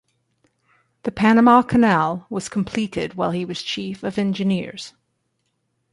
The Panama Canal was completed while he was Chief of Engineers.